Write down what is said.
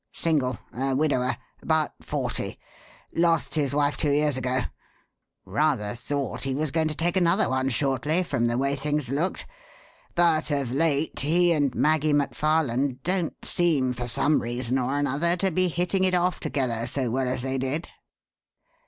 "Single. A widower. About forty. Lost his wife two years ago. Rather thought he was going to take another one shortly, from the way things looked. But of late he and Maggie McFarland don't seem, for some reason or another, to be hitting it off together so well as they did."